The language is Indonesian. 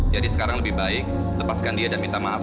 jadi sekarang lebih baik lepaskan dia dan minta maaf